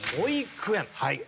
はい。